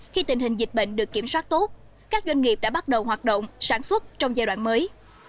khi tình hình dịch bệnh được kiểm soát tốt các doanh nghiệp đã bắt đầu hoạt động sản xuất trong giai đoạn mới